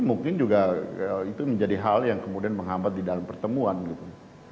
mungkin juga itu menjadi hal yang kemudian menghambat di dalam pertemuan gitu